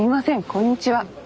こんにちは。